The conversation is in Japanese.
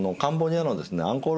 アンコール